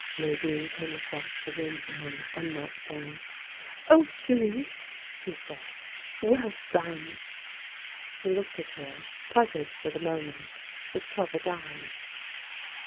Nadine came across the room to him, and knelt down. "Oh, Hughie," she said, "well done!" He looked at her, puzzled for the moment, with troubled eyes.